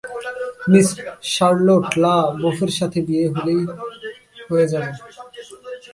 Miss Charlotte ল্যা বোফের সাথে বিয়ে হলেই হয়ে যাবো।